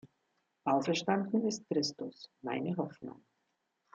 Auferstanden ist Christus, meine Hoffnung.